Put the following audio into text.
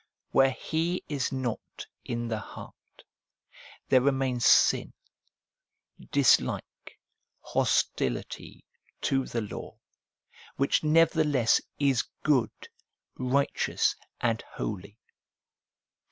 Where He is not in the heart, there remains sin, dislike, hostility to the law, which nevertheless is good, righteous, and holy.